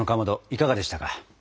いかがでしたか？